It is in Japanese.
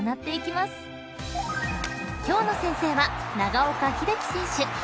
［今日の先生は長岡秀樹選手］